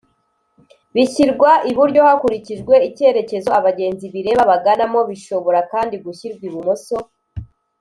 bishyirwa iburyo hakurikijwe icyerekezo abagenzi bireba baganamo bishobora kandi gushyirwa ibumoso